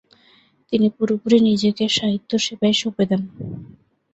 তিনি পুরোপুরি নিজেকে সাহিত্যসেবায় সঁপে দেন।